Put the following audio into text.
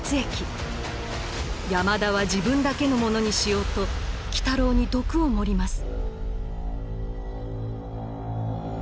山田は自分だけのものにしようと鬼太郎に毒を盛ります。